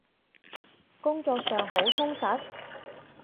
工作上好充實？